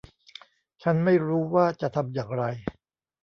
ฉันไม่รู้ว่าจะทำอย่างไร